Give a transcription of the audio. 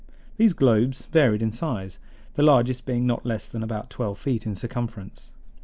These globes varied in size, the largest being not less than about twelve feet in circumference.